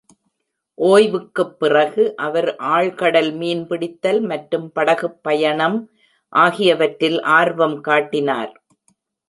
ஓய்வுக்குப் பிறகு அவர் ஆழ்கடல் மீன்பிடித்தல் மற்றும் படகுப் பயணம் ஆகியவற்றில் ஆர்வம் காட்டினார்.